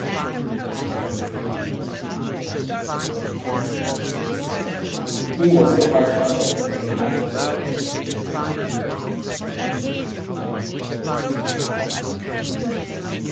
He was the husband of Paulina Longworth.